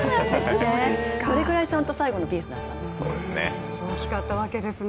それくらい最後のピースだったんですね。